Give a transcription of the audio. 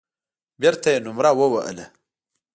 بېرته يې نومره ووهله.